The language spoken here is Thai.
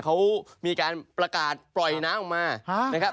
เค้ามีการประกาศปล่อยน้ำออกมา